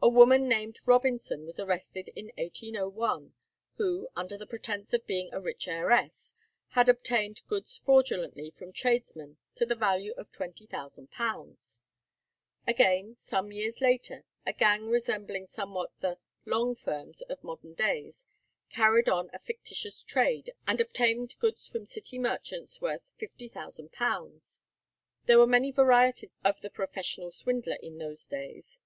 A woman named Robinson was arrested in 1801, who, under the pretence of being a rich heiress, had obtained goods fraudulently from tradesmen to the value of £20,000. Again, some years later, a gang resembling somewhat the "long firms" of modern days carried on a fictitious trade, and obtained goods from city merchants worth £50,000. There were many varieties of the professional swindler in those days.